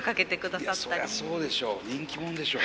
そりゃそうでしょう。